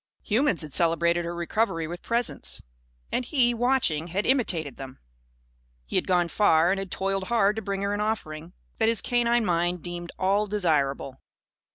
Humans had celebrated her recovery with presents. And he, watching, had imitated them. He had gone far and had toiled hard to bring her an offering that his canine mind deemed all desirable.